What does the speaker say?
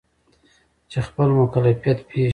چې خپل مکلفیت پیژني.